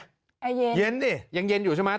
แอร์เย็นยังเย็นอยู่ใช่ไหม